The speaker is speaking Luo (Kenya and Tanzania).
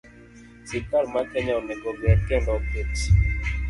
Sirkal mar Kenya onego oger kendo oket